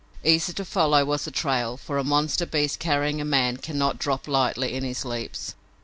Easy to follow was the trail, for a monster beast carrying a man cannot drop lightly in his leaps.